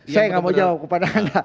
saya nggak mau jawab kepada anda